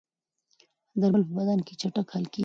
درمل په بدن کې چټک حل کېږي.